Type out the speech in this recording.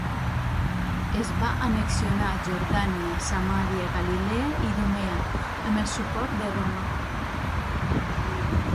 Es va annexionar Jordània, Samaria, Galilea i Idumea, amb el suport de Roma.